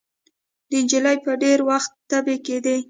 د نجلۍ به ډېر وخت تبې کېدې.